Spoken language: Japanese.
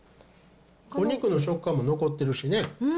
お肉の食感も残ってるしね。